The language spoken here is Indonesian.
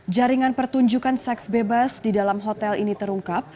jaringan pertunjukan seks bebas di dalam hotel ini terungkap